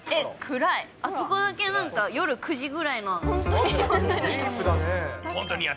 あそこだけなんか、夜９時ぐ